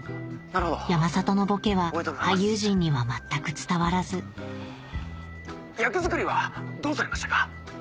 山里のボケは俳優陣には全く伝わらず役づくりはどうされましたか？